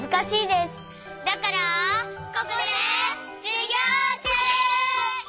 ここでしゅぎょうちゅう！